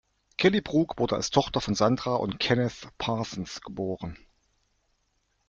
Kelly Brook wurde als Tochter von Sandra und Kenneth Parsons geboren.